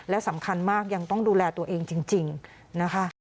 และสำคัญมากยังต้องดูแลตัวเองจริงนะคะ